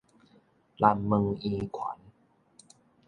南門圓環